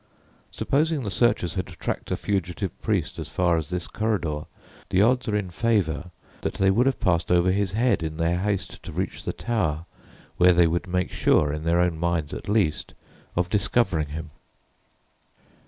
Supposing the searchers had tracked a fugitive priest as far as this corridor, the odds are in favour that they would have passed over his head in their haste to reach the tower, where they would make sure, in their own minds at least, of discovering him.